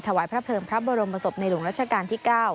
ถวายพระเพลิงพระบรมศพในหลวงรัชกาลที่๙